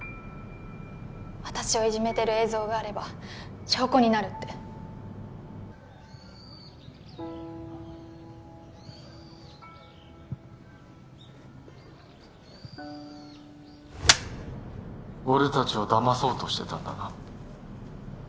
私をいじめてる映像があれば証拠になるって俺達をだまそうとしてたんだな